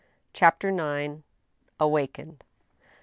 CHAPTER IX. AWAKENED.